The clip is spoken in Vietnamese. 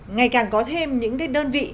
ngày càng có thêm những cái đơn vị